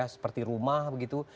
seperti rumah ada peralatan